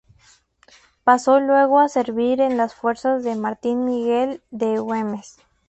Pasó luego a servir en las fuerzas de Martín Miguel de Güemes.